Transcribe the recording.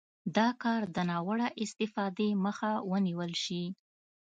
دا کار د ناوړه استفادې مخه ونیول شي.